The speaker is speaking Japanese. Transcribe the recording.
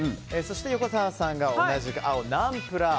横澤さんが同じく青、ナンプラー。